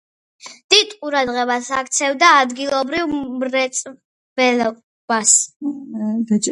დიდ ყურადღებას აქცევდა ადგილობრივ მრეწველობას.